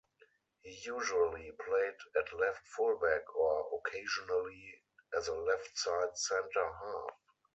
He usually played at left full back or occasionally as a left-side centre half.